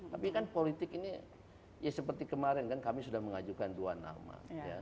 tapi kan politik ini ya seperti kemarin kan kami sudah mengajukan dua nama